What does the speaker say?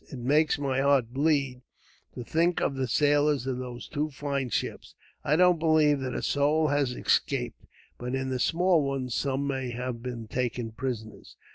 It makes my heart bleed, to think of the sailors of those two fine ships. I don't believe that a soul has escaped; but in the small one, some may have been taken prisoners."